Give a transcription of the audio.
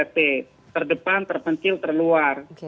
terdepan terpencil terluar